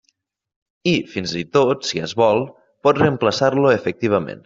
I, fins i tot, si es vol, pot reemplaçar-lo efectivament.